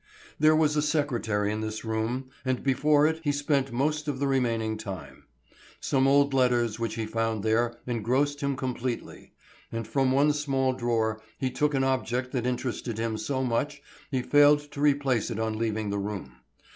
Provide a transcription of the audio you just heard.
There was a secretary in this room and before it he spent most of the remaining time. Some old letters which he found there engrossed him completely, and from one small drawer he took an object that interested him so much he failed to replace it on leaving the room.